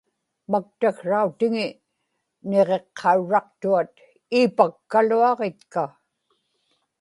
maktaksrautiŋi niġiqqauraqtuat iipakkaluaġitka